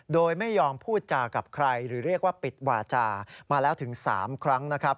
โดยไม่ยอมพูดจากับใครหรือเรียกว่าปิดวาจามาแล้วถึง๓ครั้งนะครับ